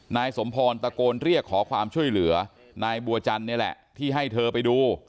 นายสมพรตะโกนเรียกขอความช่วยเหลือนายบัวจันทร์นี่แหละที่ให้เธอไปดู